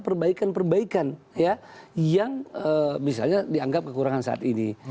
perbaikan perbaikan yang misalnya dianggap kekurangan saat ini